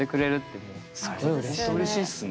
ほんとうれしいっすね。